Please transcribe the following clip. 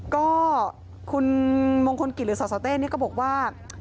ก็คุณมงคลกิริสตสาวเต้นี่ก็บอกว่า